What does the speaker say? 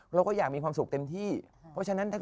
เราก็อยากมีความสุขเต็มที่เพราะฉะนั้น